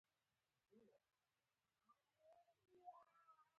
افغان هېواد تل د بهرنیو یرغلونو لاندې راغلی دی